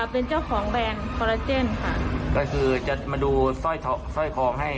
เป็นเจ้าของแบรนด์ฟอลลาเจนค่ะ